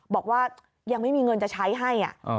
บอกว่ายังไม่มีเงินจะใช้ให้